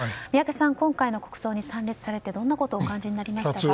今回の国葬に参列されてどんなことをお感じになりましたか？